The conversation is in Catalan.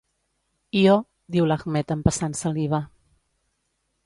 Ió —diu l'Ahmed, empassant saliva.